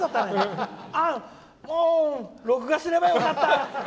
あっ、もう録画すればよかった！